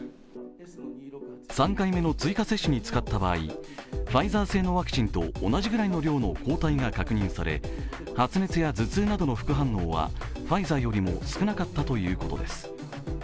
３回目の追加接種に使った場合ファイザー製のワクチンと同じくらいの量の抗体が確認され、発熱や頭痛などの副反応はファイザーよりも少なかったということです。